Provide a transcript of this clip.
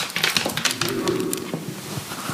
Gruri.